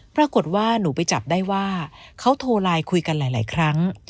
ปรากฏว่าหนูไปจับได้ว่าเขาโทรไลน์คุยกันหลายครั้ง